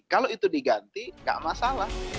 kalau itu diganti nggak masalah